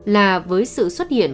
là với sự xuất hiện